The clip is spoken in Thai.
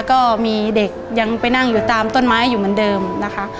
ก็มีเด็กยังไปนั่งอยู่ตามต้นไม้อยู่เหมือนเดิมนะคะ